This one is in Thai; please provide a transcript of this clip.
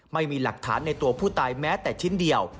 ไม่มีหลักฐานในตัวผู้ตายแม้แต่ชิ้นเดียว